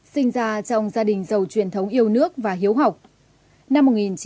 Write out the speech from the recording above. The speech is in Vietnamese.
sinh ra trong gia đình giàu truyền thống yêu nước và hiếu học